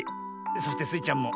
そしてスイちゃんも。